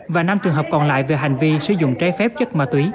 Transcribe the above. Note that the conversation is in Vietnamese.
và năm trường hợp còn lại về hành vi sử dụng trái phép chất ma túy